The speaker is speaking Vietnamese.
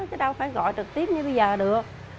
cái đâu phải gọi trực tiếp như bây giờ được